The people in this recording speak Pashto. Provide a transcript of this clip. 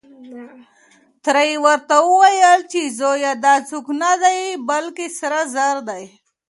تره يې ورته وويل چې زويه دا څوک نه دی، بلکې سره زر دي.